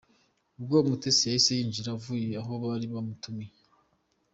Ubwo Umutesi yahise yinjira avuye aho bari bamutumye.